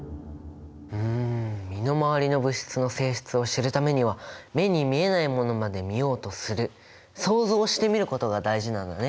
うん身の回りの物質の性質を知るためには目に見えないものまで見ようとする想像してみることが大事なんだね。